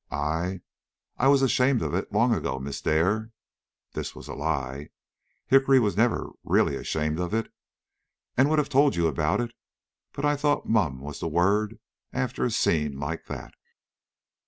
I I was ashamed of it long ago, Miss Dare" this was a lie; Hickory never was really ashamed of it "and would have told you about it, but I thought 'mum' was the word after a scene like that."